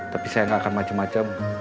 tapi saya gak akan macem macem